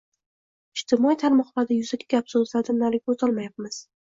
Ijtimoiy tarmoqlarda yuzaki gap-so`zlardan nariga o`tolmayapmiz